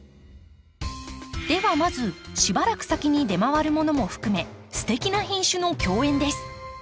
ではまずしばらく先に出回るものも含めすてきな品種の競演です。